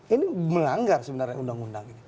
ini melanggar sebenarnya undang undang ini